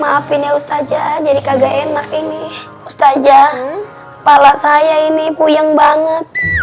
maafin ya ustaja jadi kagak enak ini ustajang kepala saya ini puyeng banget